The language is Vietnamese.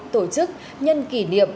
tổ chức nhân kỷ niệm